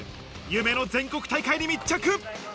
夢の全国大会に密着。